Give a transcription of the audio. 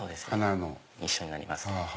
一緒になります。